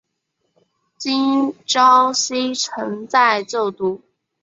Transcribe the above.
金昭希曾在就读。